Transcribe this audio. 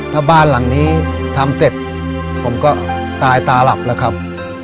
ถ้าบ้านหลังนี้ทำเสร็จผมก็ตายตาหลับแล้วครับ